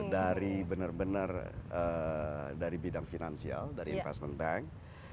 dari benar benar dari bidang finansial dari investment bank